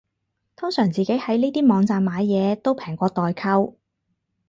通常自己喺呢啲網站買嘢都平過代購